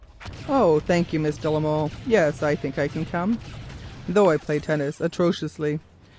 "Oh, thank you, Miss de la Molle; yes, I think I can come, though I play tennis atrociously."